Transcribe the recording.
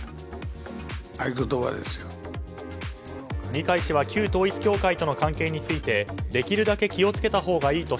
二階氏は旧統一教会との関係についてできるだけ気を付けたほうがいいと